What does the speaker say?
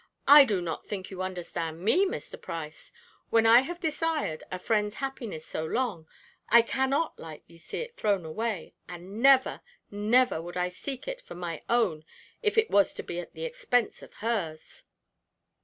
"I do not think you understand me, Mr. Price. When I have desired a friend's happiness so long, I cannot lightly see it thrown away, and never, never would I seek it for my own if it was to be at the expense of hers."